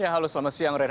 halo selamat siang